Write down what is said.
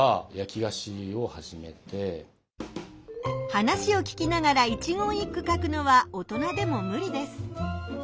話を聞きながら一言一句書くのは大人でもむりです。